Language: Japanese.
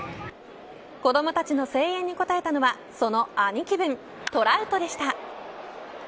子どもたちの声援に応えたのはその兄貴分トラウトでした。